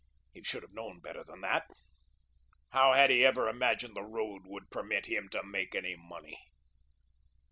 He should have known better than that. How had he ever imagined the Road would permit him to make any money?